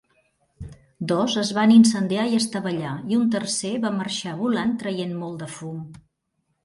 Dos es van incendiar i estavellar, i un tercer va marxar volant traient molt de fum.